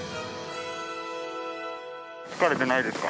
疲れてないですか？